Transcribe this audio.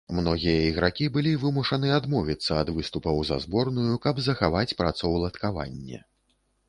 Многія ігракі былі вымушаны адмовіцца ад выступаў за зборную, каб захаваць працаўладкаванне.